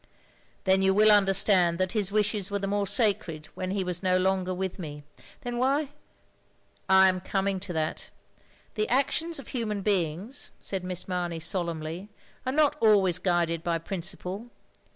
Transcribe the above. " Then you will understand that his wishes were the more sacred when he was no longer with me." "Then why "" I am coming to that. The actions of human beings," said Miss Mamey, solemnly, "are not always guided by principle.